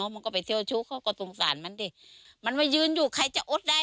มันก็ไปเที่ยวชู้เขาก็สงสารมันดิมันมายืนอยู่ใครจะอดได้